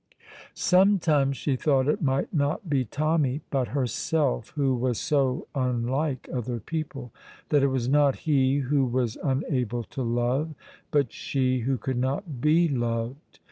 Sometimes she thought it might not be Tommy, but herself, who was so unlike other people; that it was not he who was unable to love, but she who could not be loved.